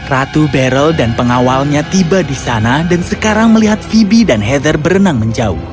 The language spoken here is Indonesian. ratu beryel dan pengawalnya tiba di sana dan sekarang melihat vibe dan heather berenang menjauh